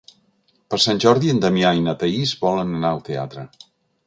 Per Sant Jordi en Damià i na Thaís volen anar al teatre.